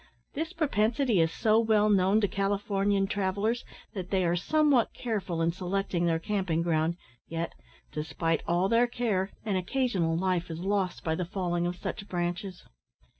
This propensity is so well known to Californian travellers that they are somewhat careful in selecting their camping ground, yet, despite all their care, an occasional life is lost by the falling of such branches.